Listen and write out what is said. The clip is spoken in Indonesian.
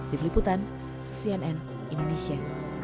di peliputan cnn indonesia